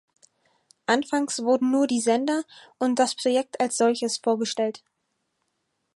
Anfangs wurden nur die Sender und das Projekt als solches vorgestellt.